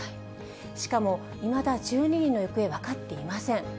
しかもいまだ１２人の行方、分かっていません。